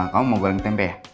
kamu mau goreng tempe